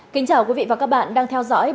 cảm ơn các bạn đã theo dõi